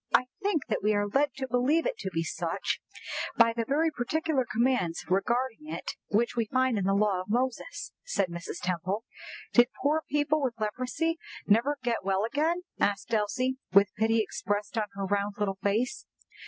"I think that we are led to believe it to be such by the very particular commands regarding it which we find in the law of Moses," said Mrs. Temple. "Did poor people with leprosy never get well again?" asked Elsie, with pity expressed on her round little face.